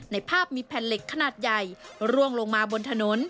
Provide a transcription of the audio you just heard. ในภาพมีแผ่นเหล็กขนาดใหญ่ร่วงลงมาบนถนน